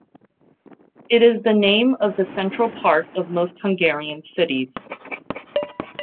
It is the name of the central part of most Hungarian cities.